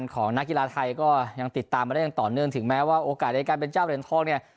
ของนักกีฬาไทยก็ยังติดตามมาได้อย่างต่อเนื่องถึงแม้ว่าโอกาสในการเป็นเจ้าเหรียญทองเนี่ย